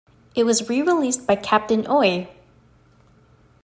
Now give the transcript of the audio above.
It was rereleased by Captain Oi!